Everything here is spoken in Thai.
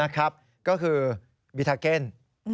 ก็คือวิทักเกณฑ์